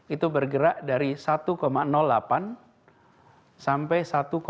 itu bergerak dari satu delapan sampai satu tujuh